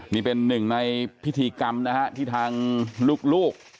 นี่เป็นหนึ่งในพิธีกรรมนะฮะที่ทางลูก